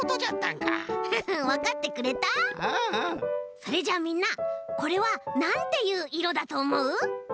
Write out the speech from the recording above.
それじゃあみんなこれはなんていういろだとおもう？